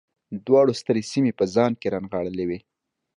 دواړو سترې سیمې په ځان کې رانغاړلې وې.